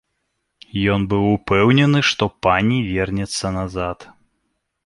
Ён быў упэўнены, што пані вернецца назад.